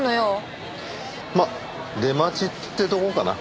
まあ出待ちってとこかな。